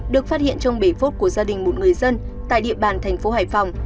được phát hiện trong bể phốt của gia đình một người dân tại địa bàn thành phố hải phòng